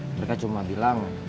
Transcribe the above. mereka cuma bilang